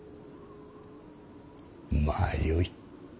まあよい。